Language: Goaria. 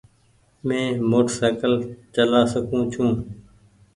مينٚ موٽرسئيڪل چآلا سڪوُن ڇوٚنٚ